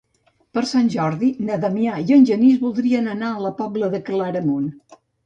Per Sant Jordi na Damià i en Genís voldrien anar a la Pobla de Claramunt.